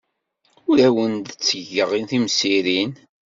Ur awen-d-ttgeɣ timsirin.